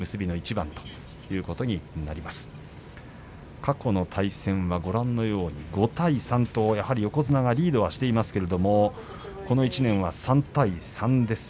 過去の対戦は５対３とご覧のように横綱がリードしていますけれどもこの１年は３対３です。